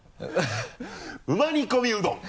うまにこみうどん！